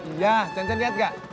iya cen cen lihat gak